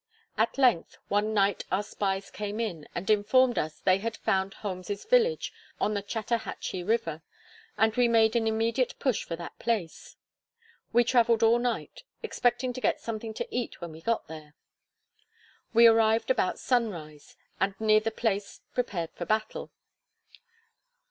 At length, one night our spies came in, and informed us they had found Holm's village on the Chatahachy river; and we made an immediate push for that place. We traveled all night, expecting to get something to eat when we got there. We arrived about sunrise, and near the place prepared for battle.